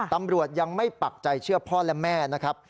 ตำรวจยังไม่ปักใจเชื่อพ่อและแม่นะครับ